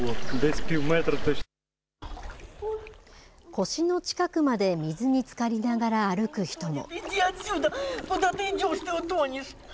腰の近くまで水につかりながら歩く人も。